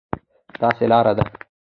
داسې لار ده،